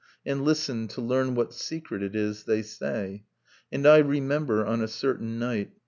And listen, to learn what secret it is they say. .. And I remember, on a certain night.